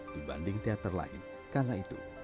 dibanding teater lain kala itu